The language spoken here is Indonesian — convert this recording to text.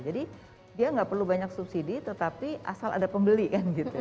jadi dia gak perlu banyak subsidi tetapi asal ada pembeli kan gitu